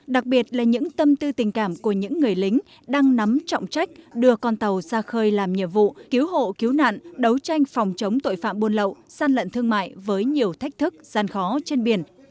đặc biệt là những tâm tư tình cảm của những người lính đang nắm trọng trách đưa con tàu ra khơi làm nhiệm vụ cứu hộ cứu nạn đấu tranh phòng chống tội phạm buôn lậu săn lận thương mại với nhiều thách thức gian khó trên biển